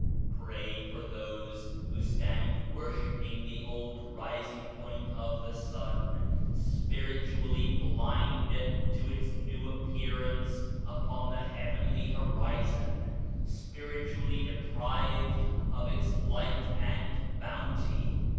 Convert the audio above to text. Pray for those who stand wor shipping the old rising point of the Sun, spirit ually blind to its New Appearance upon the Heavenly Horizon, spiritually deprived of Its Light and Bounty.